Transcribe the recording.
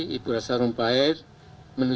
tapi kita harus tarik memori